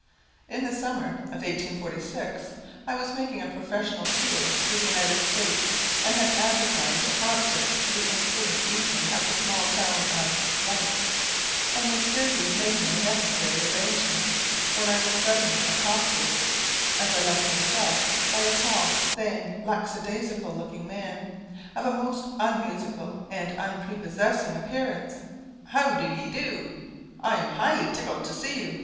In the summer of 1846 I was making a professional tour through the United States, and had advertised a concert for the ensuing evening at the small town of , and was busy making the necessary arrangements, when I was suddenly accosted, as I left the hotel, by a tall, thin, lack a daisical looking man, of a most unmusical and unprepossessing appearance: "How do ye do? I'm highly tickled to see you.